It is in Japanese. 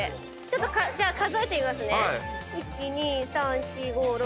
ちょっとじゃあ数えてみますね。